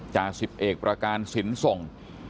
จ่าสิบเอกประการสินส่ง